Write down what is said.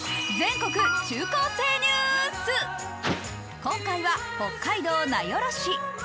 今回は北海道名寄市。